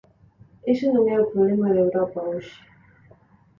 Ese non é o problema de Europa hoxe.